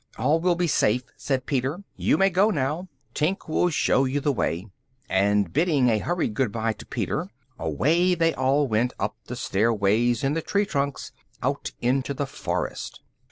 "All will be safe," said Peter. "You may go now! Tink will show you the way," and bidding a hurried good bye to Peter, away they all went up the stairways in the tree trunks, out into the forest.